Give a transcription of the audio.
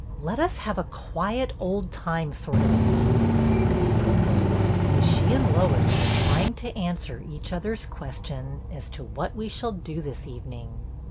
"Let us have a quiet, old time sort of an Eve," Betty proposed, as she and Lois were trying to answer each other's question as to "what we shall do this evening."